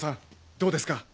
どうですか？